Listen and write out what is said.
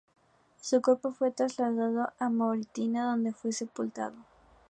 Su cuerpo fue trasladado a Mauritania, donde fue sepultado.